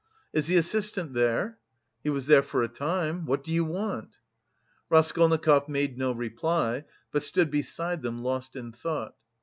"Is the assistant there?" "He was there for a time. What do you want?" Raskolnikov made no reply, but stood beside them lost in thought.